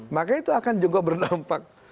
maka itu akan juga berdampak